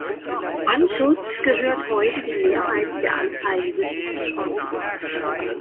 Anschutz gehört heute die Mehrheit der Anteile des Unternehmens.